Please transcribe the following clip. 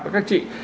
và các chị